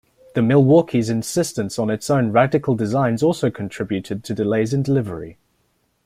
The Milwaukee's insistence on its own radical designs also contributed to delays in delivery.